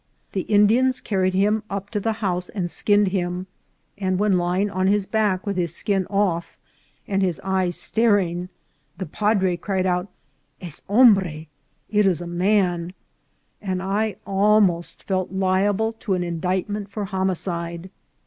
The Indians carried him up "to the house and skinned him ; and when lying on his back, with his skin off and his eyes staring, the padre cried out, " es hombre," it is a man, and I almost felt liable to an indictment for homicide.